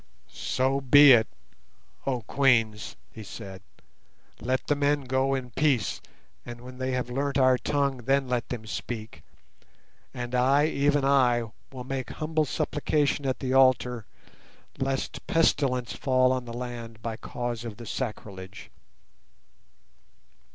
"So be it, oh Queens," he said. "Let the men go in peace, and when they have learnt our tongue then let them speak. And I, even I, will make humble supplication at the altar lest pestilence fall on the land by cause of the sacrilege."